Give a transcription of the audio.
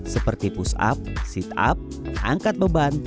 seperti push up sit up angkat beban